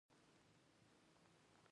درناوی د مینې بشپړ انځور دی.